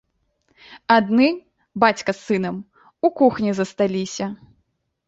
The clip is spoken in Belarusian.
Адны, бацька з сынам, у кухні засталіся.